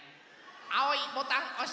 あおいボタンおして。